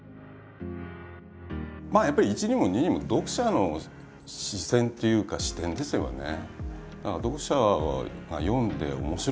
やっぱり一にも二にも読者の視線っていうか視点ですよね。